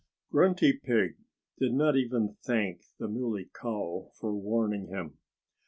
Grunty Pig did not even thank the Muley Cow for warning him.